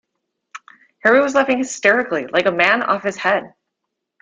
Harry was laughing hysterically, like a man off his head.